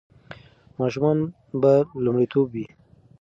ماشومان به لومړیتوب وي.